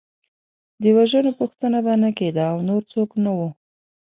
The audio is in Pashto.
د وژنو پوښتنه به نه کېده او نور څوک نه وو.